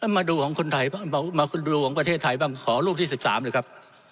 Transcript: มาดูของประเทศที่ไทยขอรูปที่๑๓เลยครับ